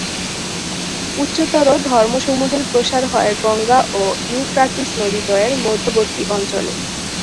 উচ্চতর ধর্মসমূ্হের প্রসার হয় গঙ্গা ও ইউফ্রাটিস নদীদ্বয়ের মধ্যবর্তী অঞ্চলে।